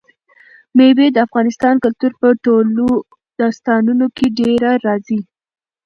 مېوې د افغان کلتور په ټولو داستانونو کې ډېره راځي.